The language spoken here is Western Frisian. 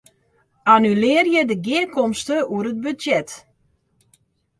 Annulearje de gearkomste oer it budzjet.